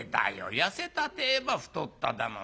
痩せたてえば太っただなんて。